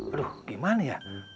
aduh gimana ya